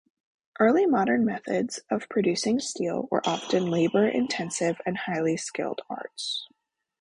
Early modern methods of producing steel were often labour-intensive and highly skilled arts.